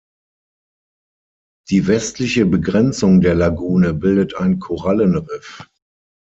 Die westliche Begrenzung der Lagune bildet ein Korallenriff.